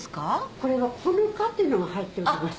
これは「こぬか」っていうのが入っております。